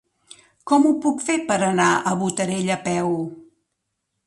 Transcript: Com ho puc fer per anar a Botarell a peu?